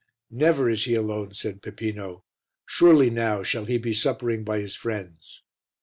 "Never is he alone," said Peppino. "Surely now shall he be suppering by his friends."